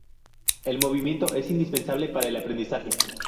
El movimiento es indispensable para el aprendizaje.